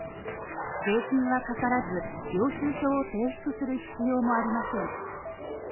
税金はかからず、領収書を提出する必要もありません